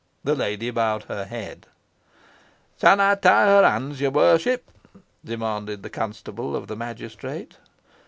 The lady bowed her head. "Shan ey tee her hands, yer warship?" demanded the constable of the magistrate.